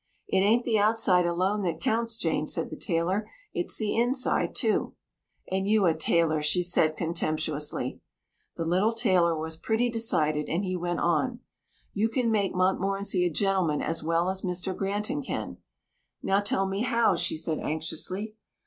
"It ain't the outside alone that counts, Jane," said the tailor. "It's the inside, too." "And you a tailor," she said contemptuously. The little tailor was pretty decided, and he went on, "You can make Montmorency a gentleman as well as Mr. Granton can." "Now, tell me how," she said anxiously.